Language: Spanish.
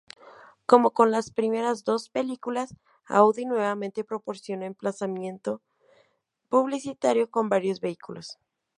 Como con las primeras dos películas, Audi nuevamente proporcionó emplazamiento publicitario con varios vehículos.